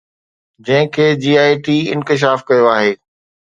جنهن کي J I T انڪشاف ڪيو آهي